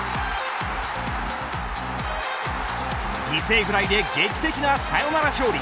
犠牲フライで劇的なサヨナラ勝利。